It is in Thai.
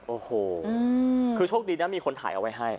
โอ้โหคือโชคดีนะมีคนถ่ายเอาไว้ให้